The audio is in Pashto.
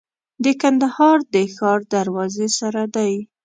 د کندهار د ښار دروازې سره دی.